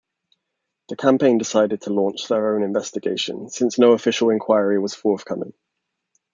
The campaign decided to launch their own investigation since no official inquiry was forthcoming.